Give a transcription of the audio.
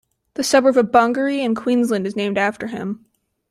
The suburb of Bongaree in Queensland is named after him.